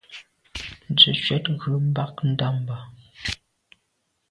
Nze ntshwèt ghù bag nda’ mbà.